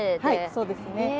はいそうですね。